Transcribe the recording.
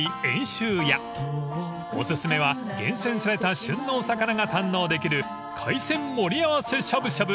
［お薦めは厳選された旬のお魚が堪能できる海鮮盛り合わせしゃぶしゃぶ］